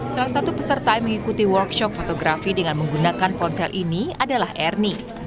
salah satu peserta yang mengikuti workshop fotografi dengan menggunakan ponsel ini adalah ernie